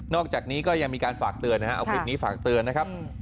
อกจากนี้ก็ยังมีการฝากเตือนนะครับเอาคลิปนี้ฝากเตือนนะครับ